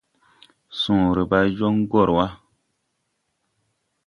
Sõõre bay jon gɔr ga.